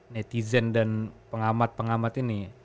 netizen dan pengamat pengamat ini